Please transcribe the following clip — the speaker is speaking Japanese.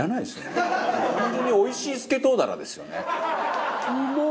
単純においしいスケソウダラですよね。